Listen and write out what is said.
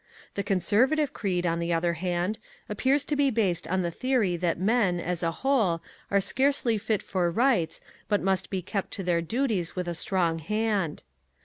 The Conservative creed, on the other hand, appears to be based on the theory that men, as a whole, are scarcely fit for rights but must be kept to their duties with a strong hand.